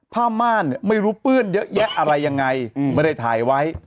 ม่านเนี่ยไม่รู้เปื้อนเยอะแยะอะไรยังไงไม่ได้ถ่ายไว้